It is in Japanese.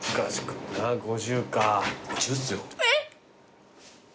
えっ！